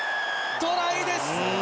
トライです！